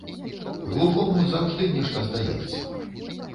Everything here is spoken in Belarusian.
Глухому заўжды нешта здаецца.